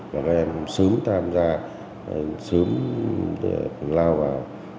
và các em sớm tham gia sớm lao vào